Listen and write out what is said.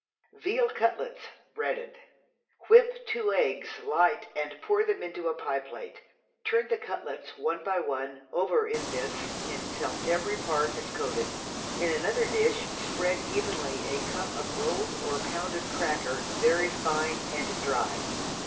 Veal Cutlets (Breaded). Whip two eggs light and pour them into a pie plate. Turn the cutlets, one by one, over in this until every part is coated. In another dish spread evenly a cupful of rolled or pounded cracker, very fine and dry.